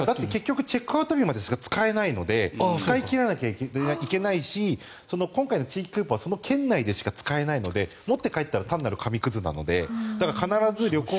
チェックアウト日までしか使えないので使い切らないといけないし今回の地域クーポン券はその県内でしか使えないので持って帰ったら単なる紙くずなので必ず旅行。